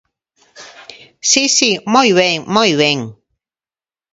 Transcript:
Si, si, moi ben, moi ben.